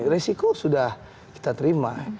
resiko sudah kita terima